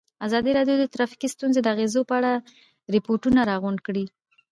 ازادي راډیو د ټرافیکي ستونزې د اغېزو په اړه ریپوټونه راغونډ کړي.